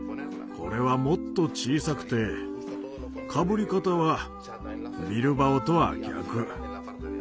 これはもっと小さくてかぶり方はビルバオとは逆。